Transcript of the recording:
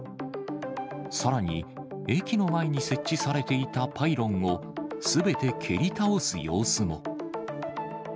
さらに駅の前に設置されていたパイロンをすべて蹴り倒す様子も。